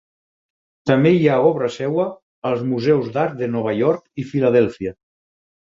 També hi ha obra seva als museus d'art de Nova York i Filadèlfia.